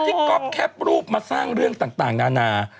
ก๊อฟแคปรูปมาสร้างเรื่องต่างนานา